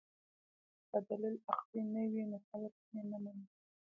که دلیل عقلي نه وي نو خلک یې نه مني.